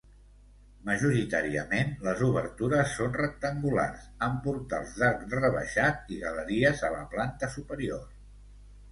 Majoritàriament, les obertures són rectangulars, amb portals d'arc rebaixat i galeries a la planta superior.